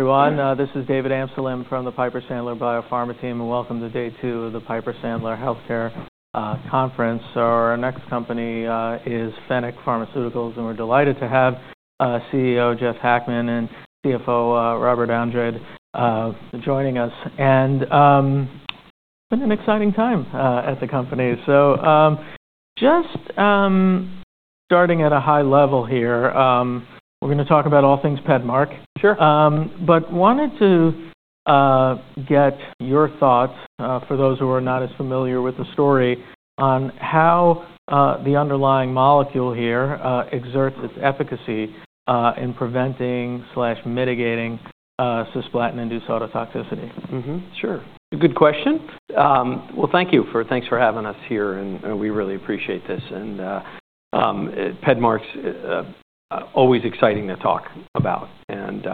Everyone, this is David Amsellem from the Piper Sandler Biopharma team, and welcome to Day 2 of the Piper Sandler Healthcare Conference. Our next company is Fennec Pharmaceuticals, and we're delighted to have CEO Jeff Hackman and CFO Robert Andrade joining us. And it's been an exciting time at the company. So just starting at a high level here, we're going to talk about all things Pedmark. Sure. But wanted to get your thoughts, for those who are not as familiar with the story, on how the underlying molecule here exerts its efficacy in preventing/mitigating Cisplatin-induced ototoxicity? Sure. Good question. Well, thank you for having us here, and we really appreciate this, and Pedmark's always exciting to talk about, and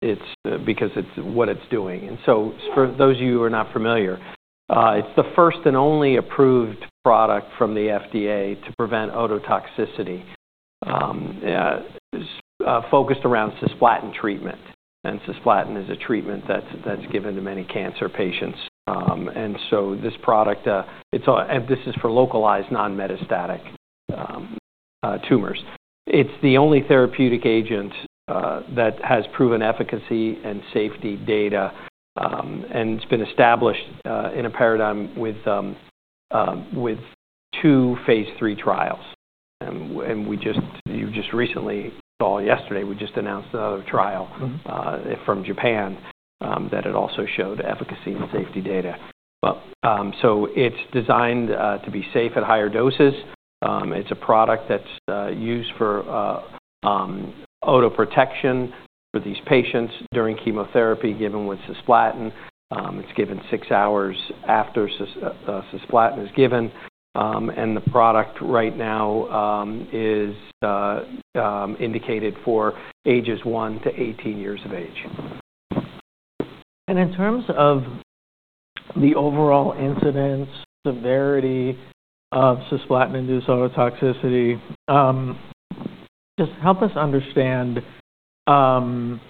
it's because it's what it's doing. And so for those of you who are not familiar, it's the first and only approved product from the FDA to prevent ototoxicity focused around Cisplatin treatment. And Cisplatin is a treatment that's given to many cancer patients, and so this product, this is for localized non-metastatic tumors. It's the only therapeutic agent that has proven efficacy and safety data, and it's been established in a Phase III trials, and we just recently or yesterday, we just announced another trial from Japan that had also showed efficacy and safety data, so it's designed to be safe at higher doses. It's a product that's used for otoprotection for these patients during chemotherapy, given with Cisplatin. It's given six hours after Cisplatin is given, and the product right now is indicated for ages one to 18 years of age. In terms of the overall incidence, severity of Cisplatin-induced ototoxicity, just help us understand how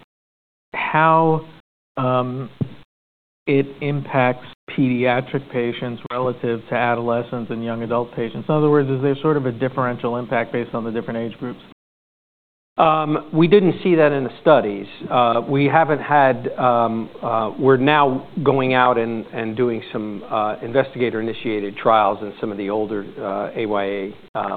it impacts pediatric patients relative to adolescents and young adult patients. In other words, is there sort of a differential impact based on the different age groups? We didn't see that in the studies. We haven't had, we're now going out and doing some investigator-initiated trials in some of the older AYA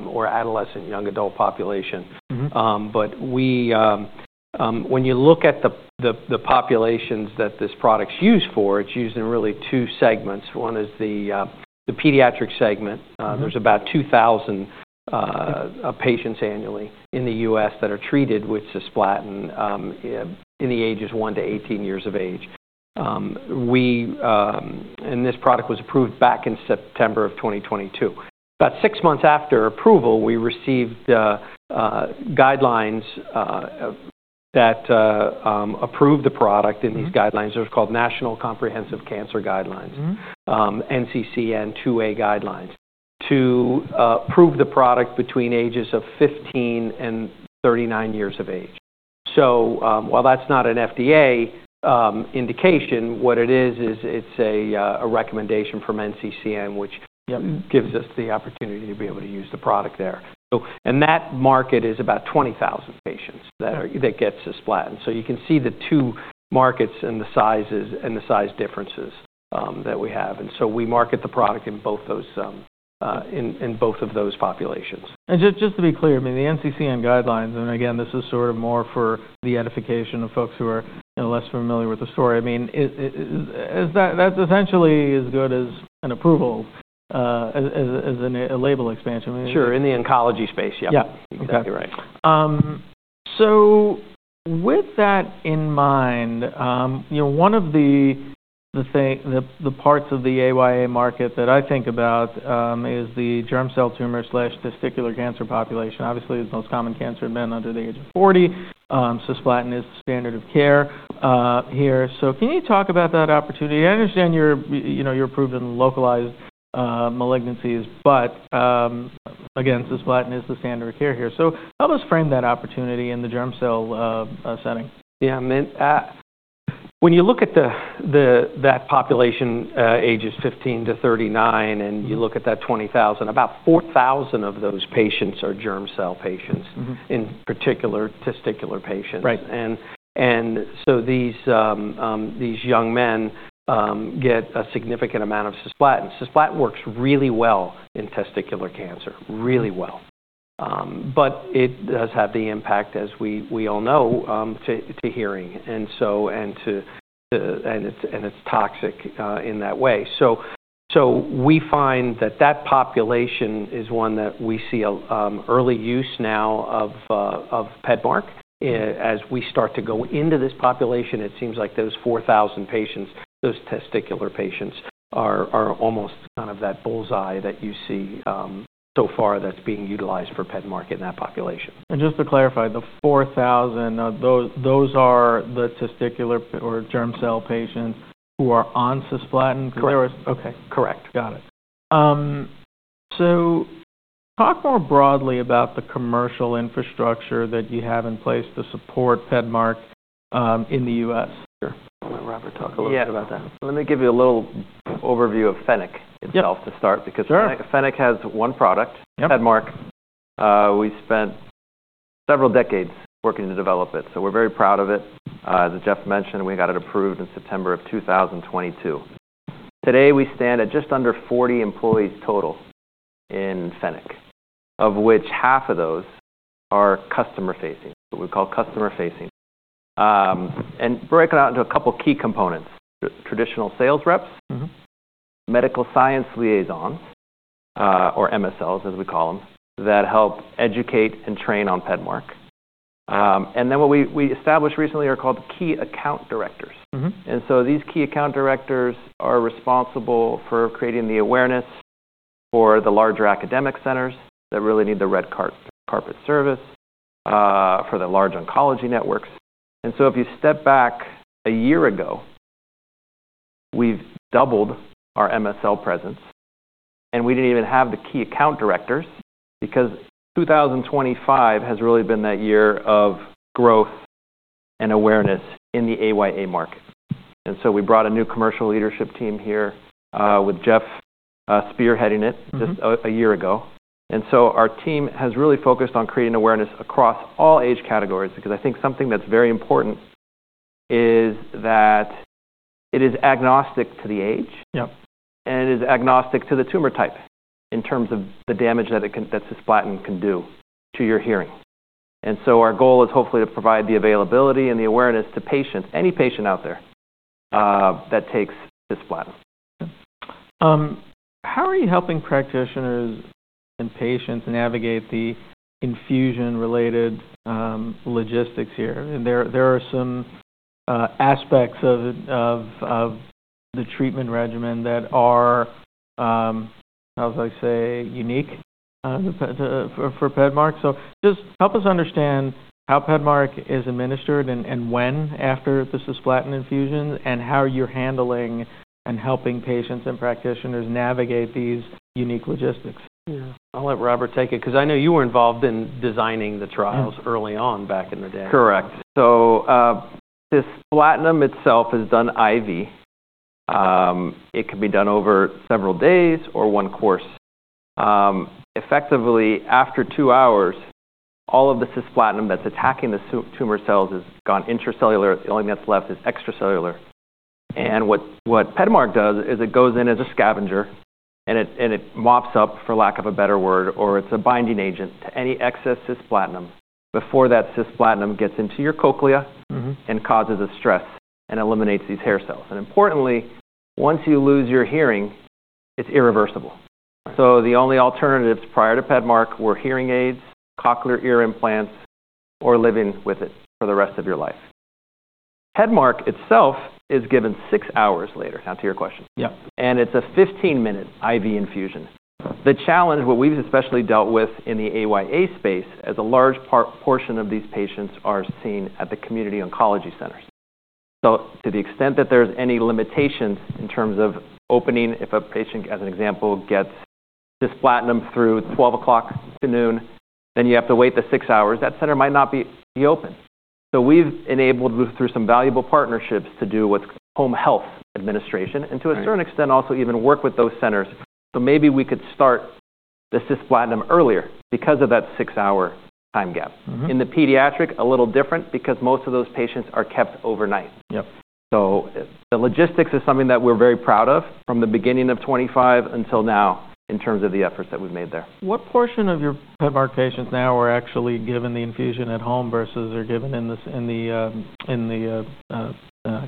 or adolescent young adult population. But when you look at the populations that this product's used for, it's used in really two segments, one is the pediatric segment. There's about 2,000 patients annually in the U.S. that are treated with Cisplatin in the ages one to 18 years of age. And this product was approved back in September of 2022. About six months after approval, we received guidelines that approved the product in these guidelines. They're called National Comprehensive Cancer Network Guidelines, NCCN 2A Guidelines, to approve the product between ages of 15 and 39 years of age. So while that's not an FDA indication, what it is, is it's a recommendation from NCCN, which gives us the opportunity to be able to use the product there. That market is about 20,000 patients that get Cisplatin. You can see the two markets and the sizes and the size differences that we have. We market the product in both of those populations. And just to be clear, I mean, the NCCN guidelines, and again, this is sort of more for the edification of folks who are less familiar with the story, I mean, that essentially is good as an approval, as a label expansion. Sure. In the oncology space. Yeah. Exactly right. So with that in mind, one of the parts of the AYA market that I think about is the germ cell tumor/testicular cancer population. Obviously, the most common cancer has been under the age of 40. Cisplatin is the standard of care here. So can you talk about that opportunity? I understand you're approved in localized malignancies, but again, Cisplatin is the standard of care here. So help us frame that opportunity in the germ cell setting. Yeah. When you look at that population, ages 15 to 39, and you look at that 20,000, about 4,000 of those patients are germ cell patients, in particular testicular patients. And so these young men get a significant amount of Cisplatin. Cisplatin works really well in testicular cancer, really well. But it does have the impact, as we all know, to hearing. And it's toxic in that way. So we find that that population is one that we see early use now of Pedmark. As we start to go into this population, it seems like those 4,000 patients, those testicular patients, are almost kind of that bull's-eye that you see so far that's being utilized for Pedmark in that population. And just to clarify, the 4,000, those are the testicular or germ cell patients who are on Cisplatin? Correct. Okay. Yeah. Got it, so talk more broadly about the commercial infrastructure that you have in place to support Pedmark in the U.S. Sure. And I'll let Robert talk a little bit about that. Yeah. Let me give you a little overview of Fennec itself to start because Fennec has one product, Pedmark. We spent several decades working to develop it. So we're very proud of it. As Jeff mentioned, we got it approved in September of 2022. Today, we stand at just under 40 employees total in Fennec, of which half of those are customer-facing, what we call customer-facing. And break it out into a couple of key components: traditional sales reps, medical science liaisons, or MSLs, as we call them, that help educate and train on Pedmark. And then what we established recently are called key account directors. And so these key account directors are responsible for creating the awareness for the larger academic centers that really need the red carpet service for the large oncology networks. And so if you step back a year ago, we've doubled our MSL presence. We didn't even have the key account directors because 2025 has really been that year of growth and awareness in the AYA market. We brought a new commercial leadership team here with Jeff spearheading it just a year ago. Our team has really focused on creating awareness across all age categories because I think something that's very important is that it is agnostic to the age and it is agnostic to the tumor type in terms of the damage that Cisplatin can do to your hearing. Our goal is hopefully to provide the availability and the awareness to patients, any patient out there that takes Cisplatin. How are you helping practitioners and patients navigate the infusion-related logistics here? There are some aspects of the treatment regimen that are, how should I say, unique for Pedmark. So just help us understand how Pedmark is administered and when after the Cisplatin infusion and how you're handling and helping patients and practitioners navigate these unique logistics? Yeah. I'll let Robert take it because I know you were involved in designing the trials early on back in the day. Correct. So Cisplatin itself is done IV. It can be done over several days or one course. Effectively, after two hours, all of the Cisplatin that's attacking the tumor cells has gone intracellular. The only thing that's left is extracellular. And what Pedmark does is it goes in as a scavenger and it mops up, for lack of a better word, or it's a binding agent to any excess Cisplatin before that Cisplatin gets into your cochlea and causes the stress and eliminates these hair cells. And importantly, once you lose your hearing, it's irreversible. So the only alternatives prior to Pedmark were hearing aids, cochlear ear implants, or living with it for the rest of your life. Pedmark itself is given six hours later to your question. And it's a 15-minute IV infusion. The challenge, what we've especially dealt with in the AYA space, is a large portion of these patients are seen at the community oncology centers. So to the extent that there's any limitations in terms of opening, if a patient, as an example, gets Cisplatin through 12 o'clock to noon, then you have to wait the six hours, that center might not be open. So we've enabled, through some valuable partnerships, to do what's called home health administration and to a certain extent also even work with those centers. So maybe we could start the Cisplatin earlier because of that six-hour time gap. In the pediatric, a little different because most of those patients are kept overnight. So the logistics is something that we're very proud of from the beginning of 2025 until now in terms of the efforts that we've made there. What portion of your Pedmark patients now are actually given the infusion at home versus they're given in the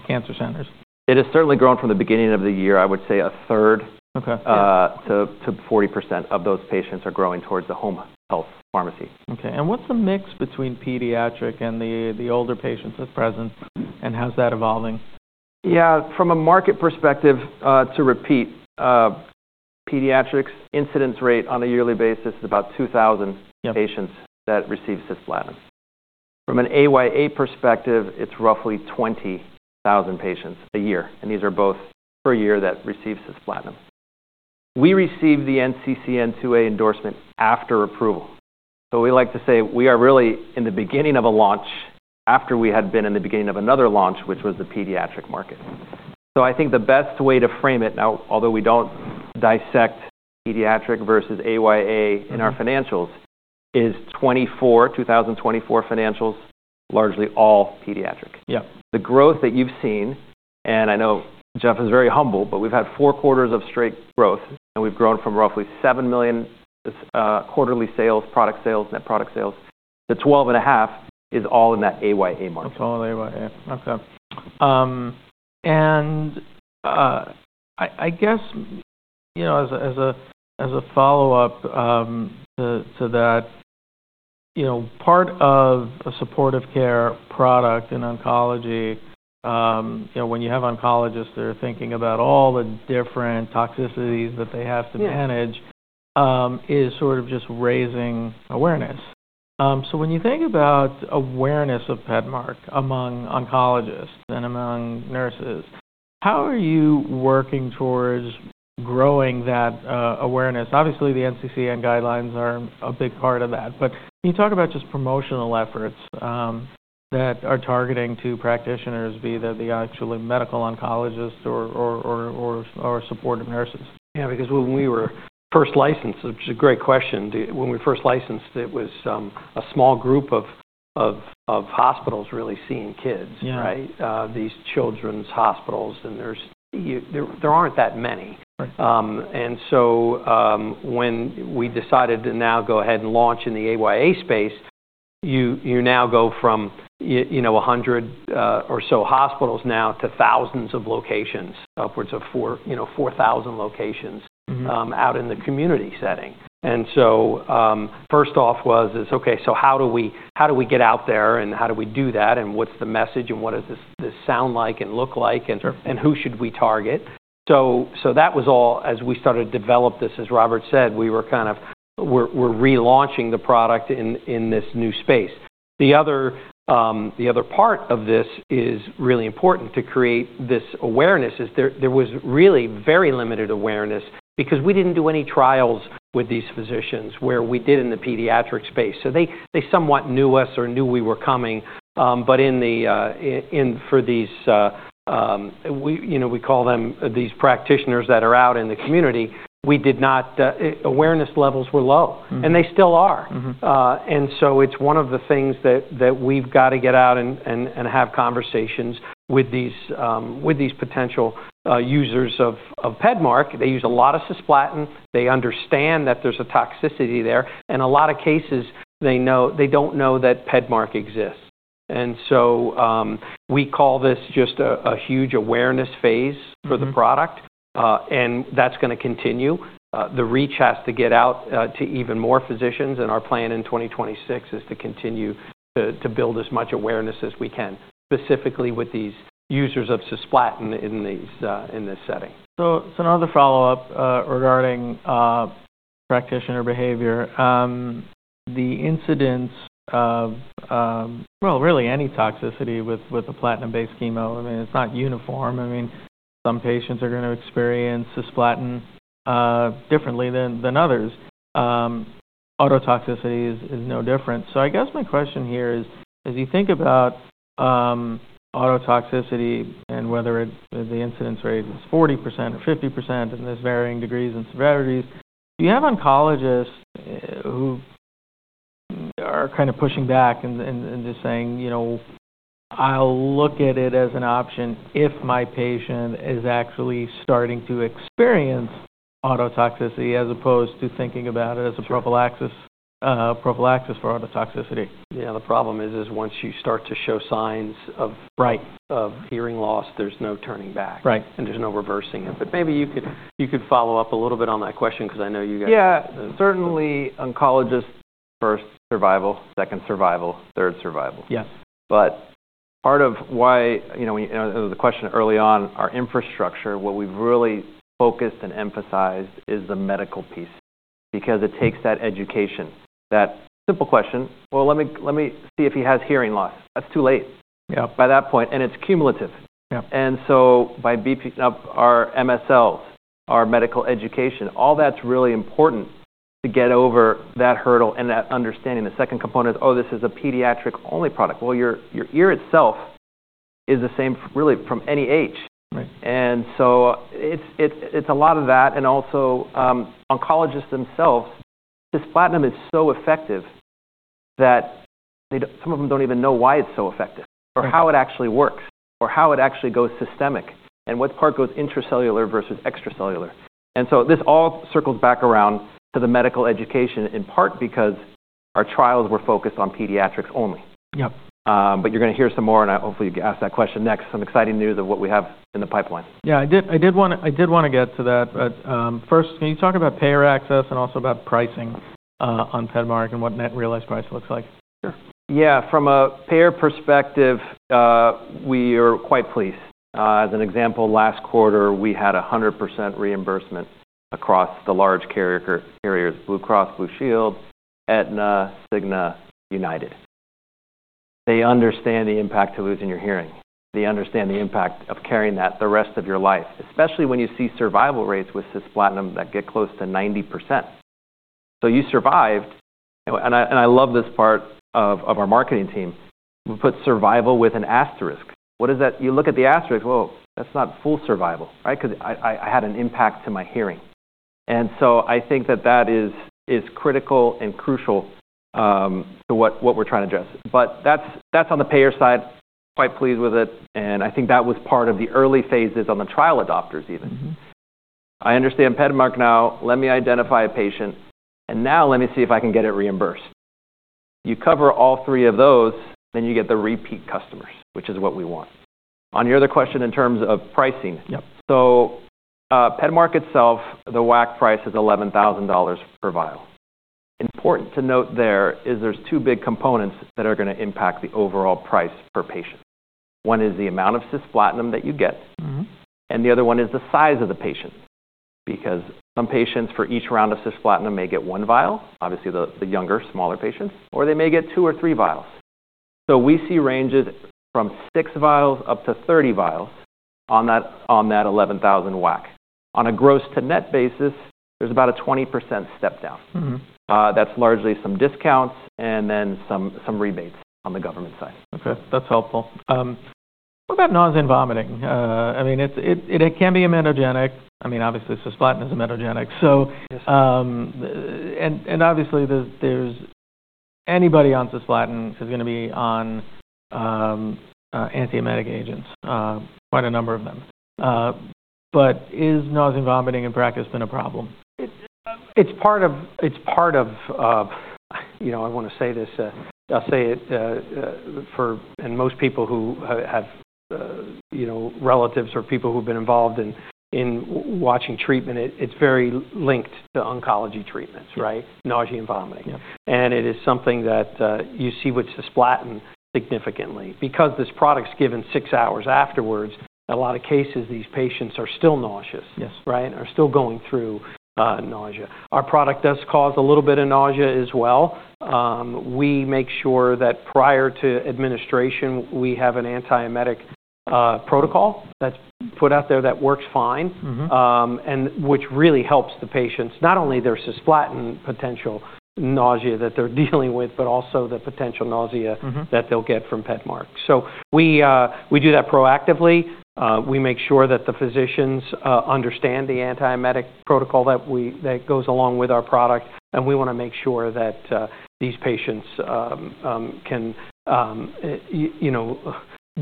cancer centers? It has certainly grown from the beginning of the year. I would say a 1/3 to 40% of those patients are growing towards the home health pharmacy. Okay, and what's the mix between pediatric and the older patients at present, and how's that evolving? Yeah. From a market perspective, to repeat, pediatric incidence rate on a yearly basis is about 2,000 patients that receive Cisplatin. From an AYA perspective, it's roughly 20,000 patients a year. And these are both per year that receive Cisplatin. We received the NCCN 2A endorsement after approval. So we like to say we are really in the beginning of a launch after we had been in the beginning of another launch, which was the pediatric market. So I think the best way to frame it now, although we don't dissect pediatric versus AYA in our financials, is 2024 financials, largely all pediatric. The growth that you've seen, and I know Jeff is very humble, but we've had four quarters of straight growth, and we've grown from roughly $7 million quarterly sales, product sales, net product sales, to $12.5 million is all in that AYA market. That's all in AYA. Okay. And I guess as a follow-up to that, part of a supportive care product in oncology, when you have oncologists, they're thinking about all the different toxicities that they have to manage, is sort of just raising awareness. So when you think about awareness of Pedmark among oncologists and among nurses, how are you working towards growing that awareness? Obviously, the NCCN guidelines are a big part of that. But can you talk about just promotional efforts that are targeting to practitioners, be that the actual medical oncologists or supportive nurses? Yeah. Because when we were first licensed, which is a great question, David, when we were first licensed, it was a small group of hospitals really seeing kids, right? These children's hospitals, and there aren't that many. And so when we decided to now go ahead and launch in the AYA space, you now go from 100 or so hospitals now to thousands of locations, upwards of 4,000 locations out in the community setting. And so first off was, okay, so how do we get out there and how do we do that and what's the message and what does this sound like and look like and who should we target? So that was all as we started to develop this as Robert said, we were kind of relaunching the product in this new space. The other part of this is really important to create this awareness. There was really very limited awareness because we didn't do any trials with these physicians where we did in the pediatric space. So they somewhat knew us or knew we were coming. But for these, we call them these practitioners that are out in the community, we did not. Awareness levels were low and they still are. And so it's one of the things that we've got to get out and have conversations with these potential users of Pedmark. They use a lot of Cisplatin. They understand that there's a toxicity there. In a lot of cases, they don't know that Pedmark exists. And so we call this just a huge awareness phase for the product, and that's going to continue. The reach has to get out to even more physicians, and our plan in 2026 is to continue to build as much awareness as we can, specifically with these users of Cisplatin in this setting. So another follow-up regarding practitioner behavior. The incidence of, well, really any toxicity with a platinum-based chemo, I mean, it's not uniform. I mean, some patients are going to experience Cisplatin differently than others. Ototoxicity is no different. So I guess my question here is, as you think about ototoxicity and whether the incidence rate is 40% or 50% and there's varying degrees and severities, you have oncologists who are kind of pushing back and just saying, "I'll look at it as an option if my patient is actually starting to experience ototoxicity as opposed to thinking about it as a prophylaxis for ototoxicity"? Yeah. The problem is once you start to show signs of hearing loss, there's no turning back and there's no reversing it. But maybe you could follow up a little bit on that question because I know you guys. Yeah. Certainly, oncologist first, survival, second survival, third survival. But part of why the question early on, our infrastructure, what we've really focused and emphasized is the medical piece because it takes that education. That simple question, "Well, let me see if he has hearing loss." That's too late by that point, and it's cumulative. And so by beefing up our MSLs, our medical education, all that's really important to get over that hurdle and that understanding. The second component is, "Oh, this is a pediatric-only product." Well, your ear itself is the same really from any age. And so it's a lot of that and also oncologists themselves, Cisplatinum is so effective that some of them don't even know why it's so effective or how it actually works or how it actually goes systemic and what part goes intracellular versus extracellular. And so this all circles back around to the medical education in part because our trials were focused on pediatrics only. But you're going to hear some more, and hopefully can ask that question next. Some exciting news of what we have in the pipeline. Yeah. I did want to get to that. But first, can you talk about payer access and also about pricing on Pedmark and what net realized price looks like? Sure. Yeah. From a payer perspective, we are quite pleased. As an example, last quarter, we had 100% reimbursement across the large carriers: Blue Cross Blue Shield, Aetna, Cigna, United. They understand the impact to losing your hearing. They understand the impact of carrying that the rest of your life, especially when you see survival rates with Cisplatinum that get close to 90%. So you survived. And I love this part of our marketing team. We put survival with an asterisk. You look at the asterisk, "Whoa, that's not full survival," right? Because I had an impact to my hearing. And so I think that that is critical and crucial to what we're trying to address. But that's on the payer side. Quite pleased with it. And I think that was part of the early phases on the trial adopters even. I understand Pedmark now. Let me identify a patient, and now let me see if I can get it reimbursed. You cover all three of those, then you get the repeat customers, which is what we want. On your other question in terms of pricing, so Pedmark itself, the WAC price is $11,000 per vial. Important to note there's two big components that are going to impact the overall price per patient. One is the amount of Cisplatin that you get, and the other one is the size of the patient because some patients for each round of Cisplatin may get one vial, obviously the younger, smaller patients, or they may get two or three vials. So we see ranges from six vials up to 30 vials on that $11,000 WAC. On a gross-to-net basis, there's about a 20% step down. That's largely some discounts and then some rebates on the government side. Okay. That's helpful. What about nausea and vomiting? I mean, it can be emetogenic. I mean, obviously, Cisplatin is emetogenic. And obviously, anybody on Cisplatin is going to be on antiemetic agents, quite a number of them. But is nausea and vomiting in practice been a problem? I want to say this. I'll say it for most people who have relatives or people who've been involved in watching treatment. It's very linked to oncology treatments, right? Nausea and vomiting, and it is something that you see with Cisplatin significantly because this product's given six hours afterwards. In a lot of cases, these patients are still nauseous, right? Are still going through nausea. Our product does cause a little bit of nausea as well. We make sure that prior to administration, we have an antiemetic protocol that's put out there that works fine, which really helps the patients, not only their Cisplatin potential nausea that they're dealing with, but also the potential nausea that they'll get from Pedmark, so we do that proactively. We make sure that the physicians understand the antiemetic protocol that goes along with our product. We want to make sure that these patients can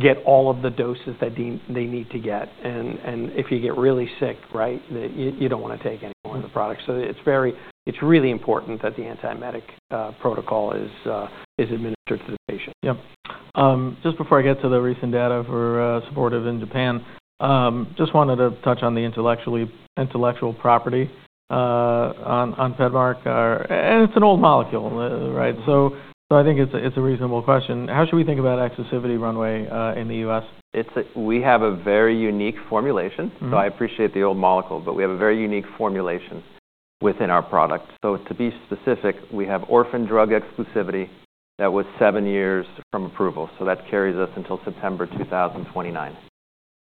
get all of the doses that they need to get. And if you get really sick, right, you don't want to take any more of the product. It's really important that the antiemetic protocol is administered to the patient. Yep. Just before I get to the recent data for supportive in Japan, just wanted to touch on the intellectual property on Pedmark. And it's an old molecule, right? So I think it's a reasonable question. How should we think about exclusivity runway in the U.S.? We have a very unique formulation. So I appreciate the old molecule, but we have a very unique formulation within our product. So to be specific, we have orphan drug exclusivity that was seven years from approval. So that carries us until September 2029.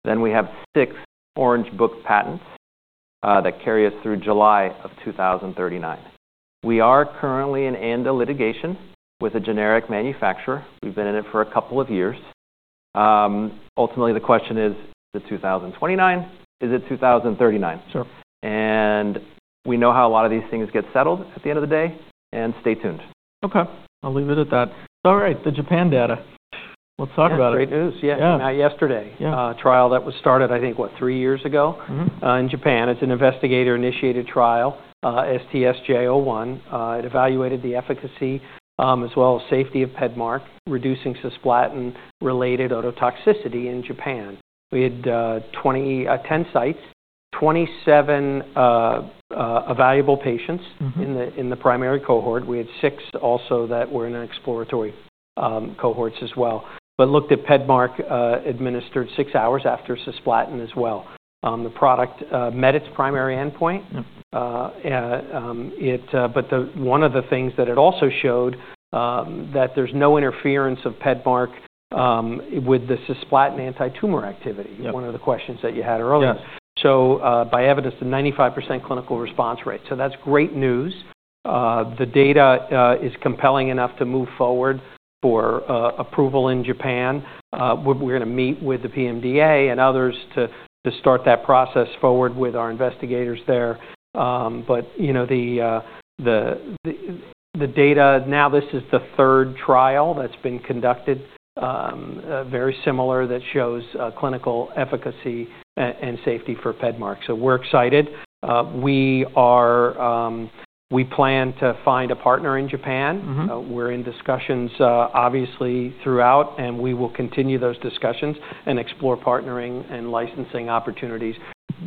Then we have six Orange Book patents that carry us through July of 2039. We are currently in ANDA litigation with a generic manufacturer. We've been in it for a couple of years. Ultimately, the question is, is it 2029? Is it 2039? And we know how a lot of these things get settled at the end of the day. And stay tuned. Okay. I'll leave it at that. All right. The Japan data. Let's talk about it. That's great news. Yeah. Yesterday, a trial that was started, I think, what, three years ago in Japan. It's an investigator-initiated trial, STS-J01. It evaluated the efficacy as well as safety of Pedmark, reducing Cisplatin-related ototoxicity in Japan. We had 10 sites, 27 available patients in the primary cohort. We had 6 also that were in exploratory cohorts as well. But looked at Pedmark administered 6 hours after Cisplatin as well. The product met its primary endpoint. But one of the things that it also showed that there's no interference of Pedmark with the Cisplatin anti-tumor activity, one of the questions that you had earlier. So by evidence, the 95% clinical response rate. So that's great news. The data is compelling enough to move forward for approval in Japan. We're going to meet with the PMDA and others to start that process forward with our investigators there. But the data, now this is the third trial that's been conducted, very similar that shows clinical efficacy and safety for Pedmark. So we're excited. We plan to find a partner in Japan. We're in discussions, obviously, throughout, and we will continue those discussions and explore partnering and licensing opportunities.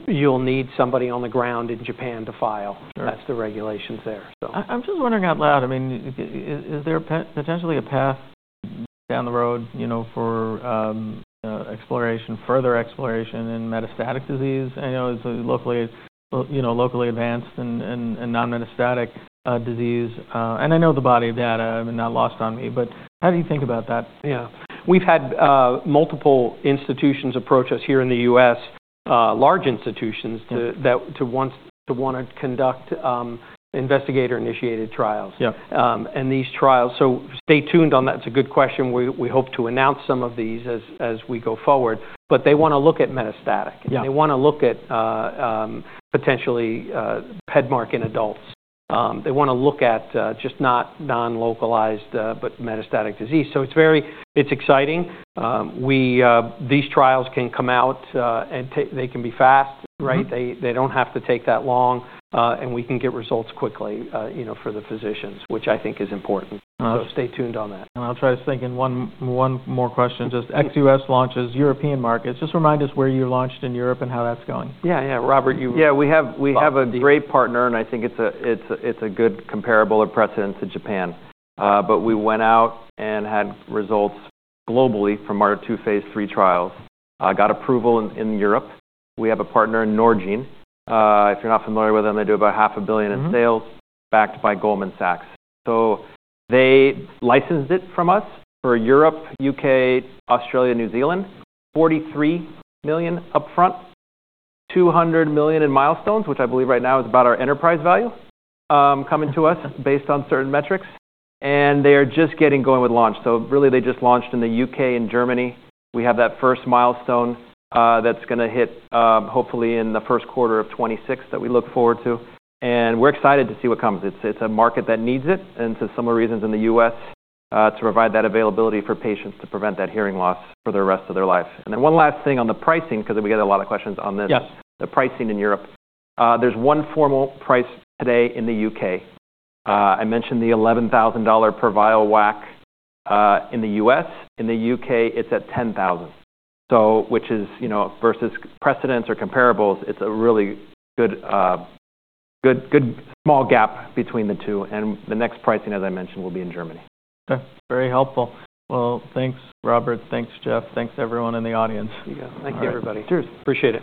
You'll need somebody on the ground in Japan to file. That's the regulations there, so. I'm just wondering out loud, I mean, is there potentially a path down the road for further exploration in metastatic disease? I know it's locally advanced and non-metastatic disease. I know the body of data is not lost on me, but how do you think about that? Yeah. We've had multiple institutions approach us here in the U.S., large institutions to want to conduct investigator-initiated trials. And these trials, so stay tuned on that. It's a good question. We hope to announce some of these as we go forward. But they want to look at metastatic. They want to look at potentially Pedmark in adults. They want to look at just not non-localized, but metastatic disease. So it's exciting. These trials can come out and they can be fast, right? They don't have to take that long, and we can get results quickly for the physicians, which I think is important. So stay tuned on that. I'll try to think of one more question. Just ex-U.S. launches, European markets. Just remind us where you launched in Europe and how that's going? Yeah. Yeah. Robert, you. Yeah. We have a great partner, and I think it's a good comparable or precedent to Japan, but we went out and had Phase III trials. got approval in europe. We have a partner in Norgine. If you're not familiar with them, they do about $500 million in sales, backed by Goldman Sachs, so they licensed it from us for Europe, UK, Australia, New Zealand, $43 million upfront, $200 million in milestones, which I believe right now is about our enterprise value coming to us based on certain metrics, and they are just getting going with launch, so really, they just launched in the UK and Germany. We have that first milestone that's going to hit hopefully in the first quarter of 2026 that we look forward to, and we're excited to see what comes. It's a market that needs it. And for similar reasons in the U.S. to provide that availability for patients to prevent that hearing loss for the rest of their life. And then one last thing on the pricing because we get a lot of questions on this. The pricing in Europe. There's one formal price today in the U.K. I mentioned the $11,000 per vial WAC in the U.S. In the U.K., it's at 10,000, which is versus precedents or comparables. It's a really good small gap between the two. And the next pricing, as I mentioned, will be in Germany. Okay. Very helpful. Well, thanks, Robert. Thanks, Jeff. Thanks, everyone in the audience. Yeah. Thank you, everybody. Cheers. Appreciate it.